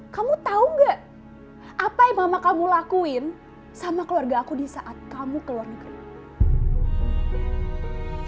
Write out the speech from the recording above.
kamu tau gak apa yang mama kamu lakuin sama keluarga aku di saat kamu ke luar negeri